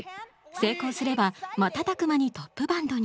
成功すれば瞬く間にトップバンドに。